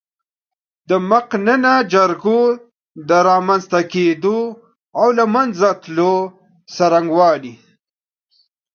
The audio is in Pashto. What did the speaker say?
د مقننه جرګو د رامنځ ته کېدو او له منځه تللو څرنګوالی